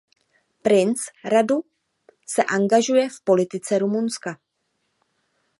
Princ Radu se angažuje v politice Rumunska.